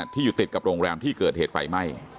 ที่อยู่ติดกับโรงแรมที่เกิดเหตุไฟไหม้